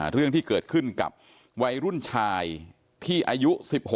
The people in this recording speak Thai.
เรื่องที่เกิดขึ้นกับวัยรุ่นชายที่อายุ๑๖